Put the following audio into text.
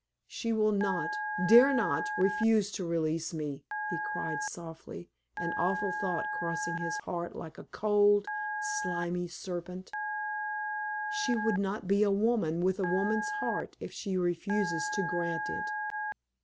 She will not dare not refuse to release me!" he cried, softly, an awful thought crossing his heart like a cold, slimy serpent. "She would not be a woman, with a woman's heart, if she refuses to grant it."